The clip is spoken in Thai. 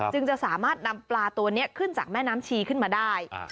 จึงจะสามารถนำปลาตัวนี้ขึ้นจากแม่น้ำชีขึ้นมาได้